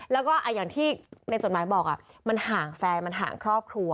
แล้วก็อย่างที่ในจดหมายบอกมันห่างแฟนมันห่างครอบครัว